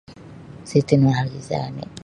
Siti Nurhalizah oni'.